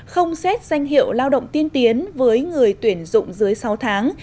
không xét danh hiệu lao động tiên tiến với người tuyển dụng dưới sáu tháng